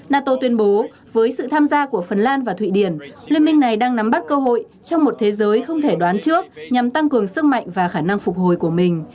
nato tuyên bố với sự tham gia của phần lan và thụy điển liên minh này đang nắm bắt cơ hội trong một thế giới không thể đoán trước nhằm tăng cường sức mạnh và khả năng phục hồi của mình